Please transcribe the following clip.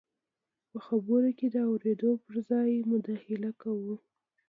په خبرو کې د اورېدو پر ځای مداخله کوو.